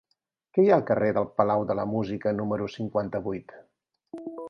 Què hi ha al carrer del Palau de la Música número cinquanta-vuit?